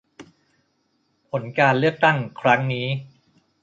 ผลการเลือกตั้งครั้งนี้